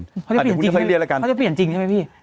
เขาจะเปลี่ยนจริงใช่ไหมพี่